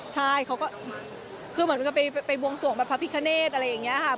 ใช่เขาก็คือเหมือนกับไปบวงสวงแบบพระพิคเนตอะไรอย่างนี้ค่ะ